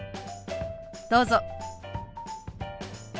どうぞ。